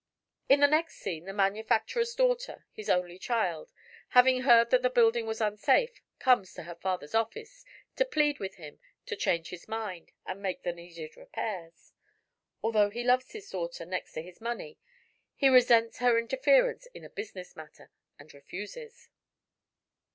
In the next scene the manufacturer's daughter his only child having heard that the building was unsafe, comes to her father's office to plead with him to change his mind and make the needed repairs. Although he loves this daughter next to his money he resents her interference in a business matter, and refuses.